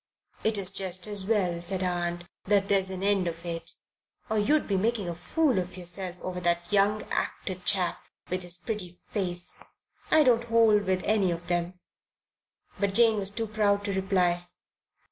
"It's just as well," said her aunt, "that there's an end of it, or you'd be making a fool of yourself over that young actor chap with his pretty face. I don't hold with any of them." But Jane was too proud to reply.